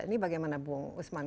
ini bagaimana bu usman